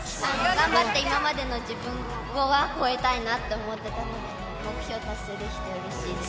頑張って今までの自分は超えたいなと思ってたので、目標達成できてうれしいです。